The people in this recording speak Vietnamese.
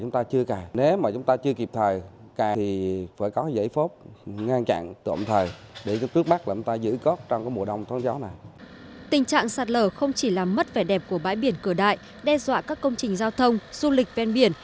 tình trạng sạt lở không chỉ làm mất vẻ đẹp của bãi biển cửa đại đe dọa các công trình giao thông du lịch ven biển